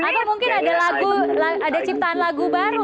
atau mungkin ada lagu ada ciptaan lagu baru